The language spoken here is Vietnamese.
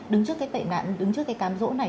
đứng trước cái tệ nạn đứng trước cái cám rỗ này